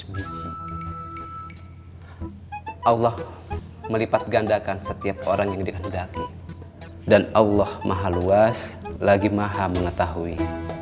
seratus biji allah melipatgandakan setiap orang yang dihendaki dan allah mahaluas lagi maha mengetahui